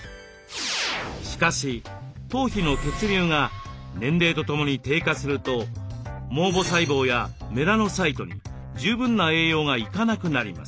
しかし頭皮の血流が年齢とともに低下すると毛母細胞やメラノサイトに十分な栄養が行かなくなります。